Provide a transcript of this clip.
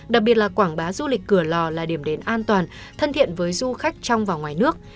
đặc biệt là quảng bá du lịch cửa lò là điểm đến an toàn thân thiện với du khách trong và ngoài nước